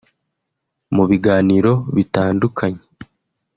Mu biganiro bitandukanye